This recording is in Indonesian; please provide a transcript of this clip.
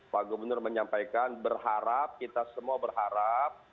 pak gubernur menyampaikan berharap kita semua berharap